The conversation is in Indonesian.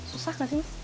susah gak sih mas